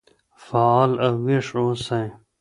فعال او ويښ اوسئ.